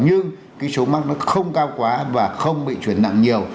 nhưng cái số mắc nó không cao quá và không bị chuyển nặng nhiều